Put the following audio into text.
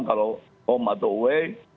kalau home atau away